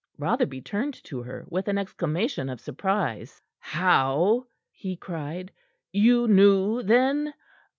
Rotherby turned to her with an exclamation of surprise. "How?" he cried. "You knew, then?